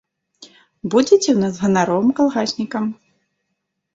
Будзеце ў нас ганаровым калгаснікам.